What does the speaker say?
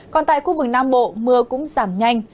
còn tại khu vực nam bộ mưa cũng giảm nhanh